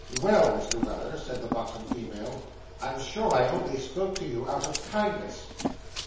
'Well, Mr. Weller,' said the buxom female, 'I'm sure I only spoke to you out of kindness.